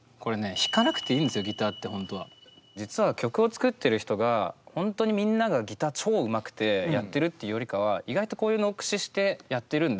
これね実は曲を作ってる人が本当にみんながギター超うまくてやってるっていうよりかは意外とこういうのを駆使してやってるんで。